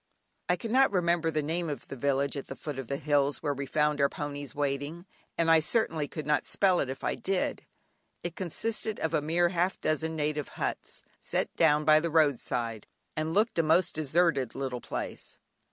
I cannot remember the name of the village at the foot of the hills where we found our ponies waiting, and I certainly could not spell it if I did. It consisted of a mere half a dozen native huts, set down by the road side, and looked a most deserted little place.